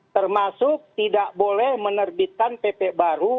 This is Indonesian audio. termasuk tidak boleh menerbitkan pp baru